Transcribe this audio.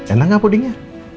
enak gak pudingnya